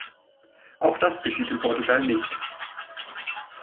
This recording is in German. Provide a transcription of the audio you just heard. Auch das geschieht in Portugal nicht.